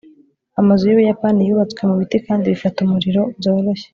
amazu yubuyapani yubatswe mubiti kandi bifata umuriro byoroshye